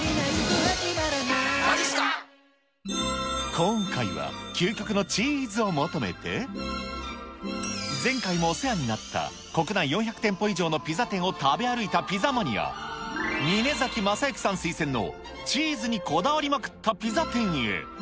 今回は、究極のチーズを求めて、前回もお世話になった、国内４００店舗以上のピザ店を食べ歩いたピザマニア、峯崎雅之さん推薦のチーズにこだわりまくったピザ店へ。